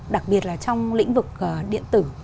đặc biệt là trong lĩnh vực điện tử